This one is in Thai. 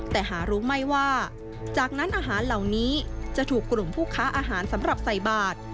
แต่หารู้ไหมว่าจากนั้นอาหารเหล่านี้จะถูกกลุ่มผู้ค้าอาหารสำหรับใส่บาท